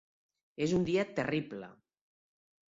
És un dia terrible.